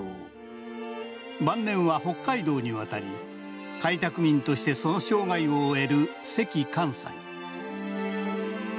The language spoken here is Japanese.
晩年は北海道に渡り開拓民としてその生涯を終える関寛斎。